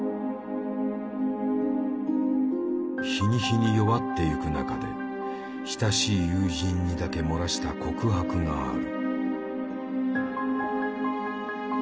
日に日に弱っていく中で親しい友人にだけ漏らした告白がある。